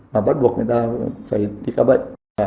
mà bắt buộc người ta phải đi cao bệnh